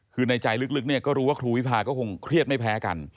คือในใจลึกเนี่ยก็รู้ว่าครูวิพาก็คงเครียดไม่แพ้กัน